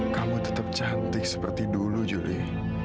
kamu tetap cantik seperti dulu juli